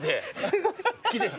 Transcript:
すごい。